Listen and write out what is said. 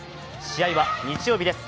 試合は日曜日です。